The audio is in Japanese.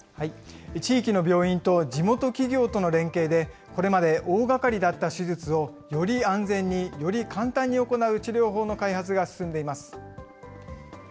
地域の病院と地元企業との連携で、これまで大がかりだった手術をより安全に、より簡単に行う治療法の開発が進んでいます。